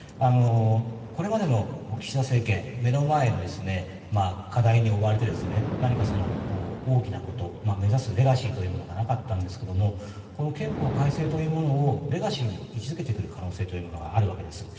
これまでの岸田政権目の前の課題に追われて何か、大きなこと目指すレガシーがなかったんですがこの憲法改正というものをレガシーに位置付けてくる可能性があるんです。